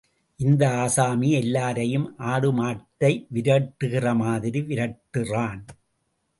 இந்த ஆசாமி எல்லாரையும் ஆடு மாட்டைப் விரட்டுறதுமாதிரி விரட்டுறான்.